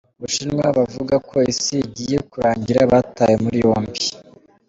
U Bushinwa Abavuga ko isi igiye kurangira batawe muri yombi